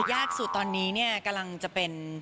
ยากสุดตอนนี้เนี่ยกำลังจะเป็น